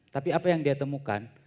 tapi apa yang dia temukan